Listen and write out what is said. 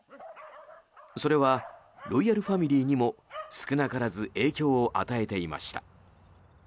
それはロイヤルファミリーにも少なからず影響を与えていました。